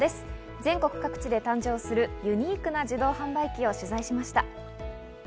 全国各地で誕生するユニークな自動販売機を取材しました。